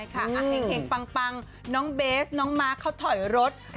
ใช่ค่ะอ่ะเฮ่งปังน้องเบสน้องมาร์คเค้าถอยรถ